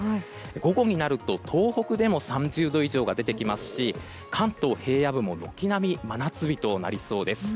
午後になると東北でも３０度以上が出てきますし関東平野部も軒並み真夏日となりそうです。